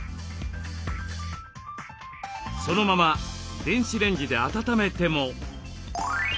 そのまま電子レンジで温めても。